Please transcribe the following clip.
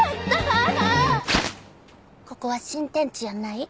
ここは新天地やない。